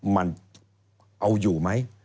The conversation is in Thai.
มันเอาอยู่ไหม